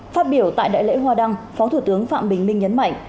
phát biểu tại đại lễ hoa đăng phó thủ tướng phạm bình minh nhấn mạnh